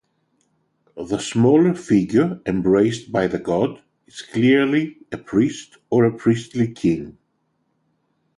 The smaller figure embraced by the god is clearly a priest or priestly king.